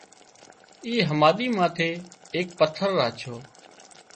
اِي هماۮي ماٿي ايڪ پٿر راڇو